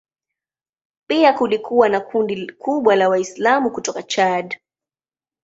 Pia kulikuwa na kundi kubwa la Waislamu kutoka Chad.